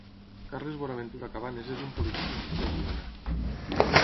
Carles Bonaventura Cabanes és un polític nascut a Girona.